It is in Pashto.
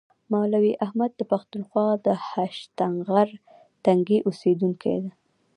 مولوي احمد د پښتونخوا د هشتنغر تنګي اوسیدونکی و.